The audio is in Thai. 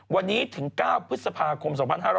วันนี้ถึง๙พฤษภาคม๒๕๕๙